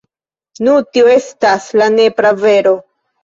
Nu tio estas la nepra vero.